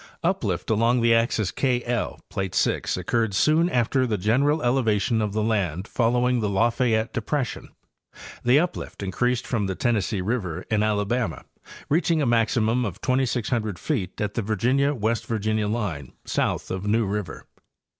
Uplift along the axis K LZ (plate 6) occurred soon after the general elevation of the land following the Lafayette depression. The uplift increased from the Tennessee river in Alabama, reach ing a maximum of 2,600 feet at the Virginia West Virginia line south of New river.